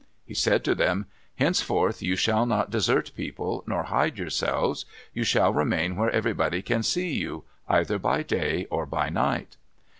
He said to them, "Henceforth you shall not desert people nor hide yourselves; you shall remain where everybody can see you, either by day or by night."